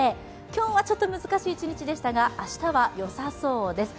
今日はちょっと難しい一日でしたが、明日はよさそうです。